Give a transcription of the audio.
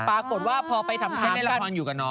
ปรากฏว่าพอไปทำตาม